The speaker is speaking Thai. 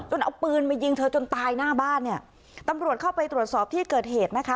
เอาปืนมายิงเธอจนตายหน้าบ้านเนี่ยตำรวจเข้าไปตรวจสอบที่เกิดเหตุนะคะ